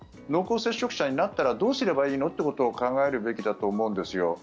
濃厚接触者になったらどうすればいいの？ってことを考えるべきだと思うんですよ。